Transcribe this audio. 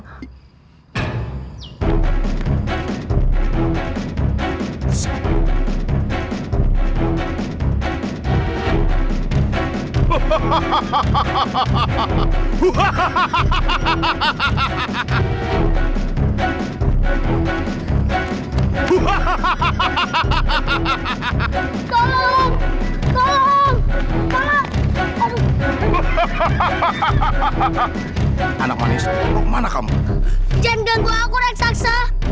hahaha tolong tolong kepala kamu hahaha anak manis lu mana kamu jangan ganggu aku reksaksa